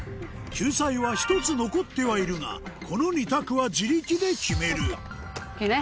救済は１つ残ってはいるがこの２択は自力で決めるいいね？